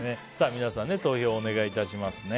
皆さん、投票をお願いします。